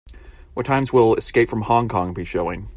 What times will Escape from Hong Kong be showing?